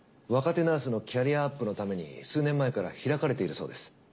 若手ナースのキャリアアップのために数年前から開かれているそうです。